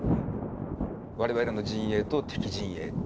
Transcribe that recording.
我々の陣営と敵陣営。